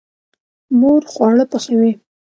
مور خواړه پخوي.